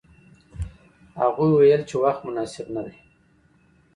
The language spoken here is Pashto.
هغوی ویل چې وخت مناسب نه دی.